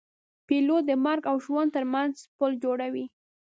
پیلوټ د مرګ او ژوند ترمنځ پل جوړوي.